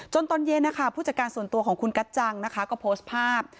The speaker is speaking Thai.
ตอนเย็นนะคะผู้จัดการส่วนตัวของคุณกัจจังนะคะก็โพสต์ภาพ